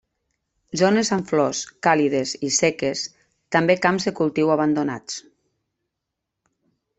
Zones amb flors, càlides i seques; també camps de cultiu abandonats.